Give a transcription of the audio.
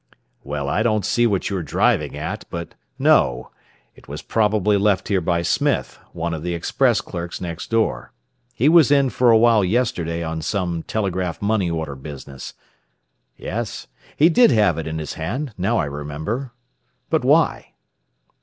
"Well, I don't see what you are driving at but, no. It was probably left here by Smith, one of the express clerks next door. He was in for a while yesterday on some telegraph money order business. Yes, he did have it in his hand, now I remember. But why?"